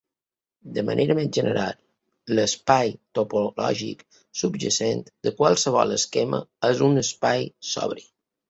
De manera més general, l'espai topològic subjacent de qualsevol esquema és un espai sobri.